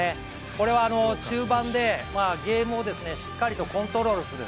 これは、中盤でゲームをしっかりとコントロールをする。